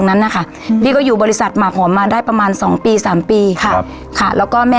อ่าอ่าอ่าอ่าอ่าอ่าอ่าอ่า